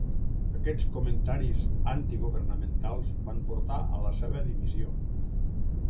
Aquests comentaris antigovernamentals van portar a la seva dimissió.